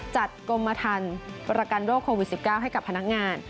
กรมทันประกันโรคโควิด๑๙ให้กับพนักงาน